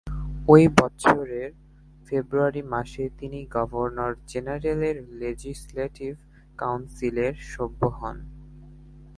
ওই বৎসরের ফেব্রুয়ারি মাসে তিনি গভর্নর জেনারেলের লেজিসলেটিভ কাউন্সিলের সভ্য হন।